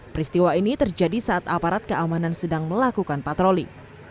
peristiwa ini terjadi saat aparat keamanan sedang melakukan patroli